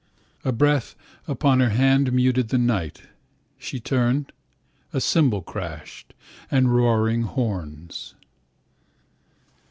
A breath upon her handMuted the night. She turned—A cymbal crashed, And roaring horns.